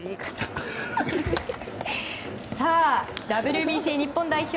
ＷＢＣ日本代表